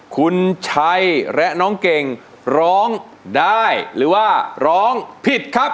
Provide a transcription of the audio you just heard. คุณชัยและน้องเก่งร้องได้หรือว่าร้องผิดครับ